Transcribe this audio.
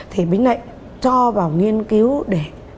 thì bính này cho vào nghiên cứu để